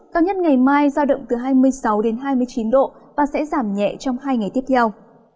cao nhất ngày mai giao động từ hai mươi sáu hai mươi chín độ và sẽ giảm nhẹ trong hai ngày tiếp theo